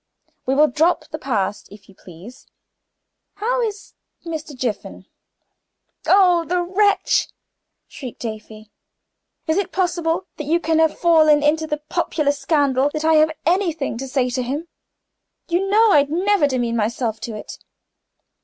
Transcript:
We will drop the past, if you please. How is Mr. Jiffin?" "Oh, the wretch!" shrieked Afy. "Is it possible that you can have fallen into the popular scandal that I have anything to say to him? You know I'd never demean myself to it.